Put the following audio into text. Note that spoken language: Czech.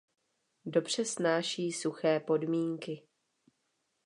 Dobře snáší suché podmínky.